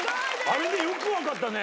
あれでよくわかったね！